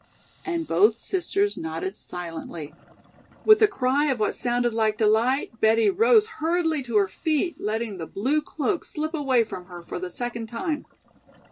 And both sisters nodded silently. With a cry of what sounded like delight, Betty rose hurriedly to her feet, letting the blue cloak slip away from her for the second time.